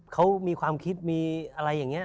เขามีความคิดมีอะไรอย่างนี้